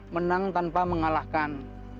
menang tanpa mengalahkan